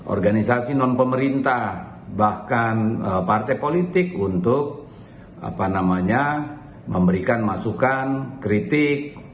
organisasi non pemerintah bahkan partai politik untuk memberikan masukan kritik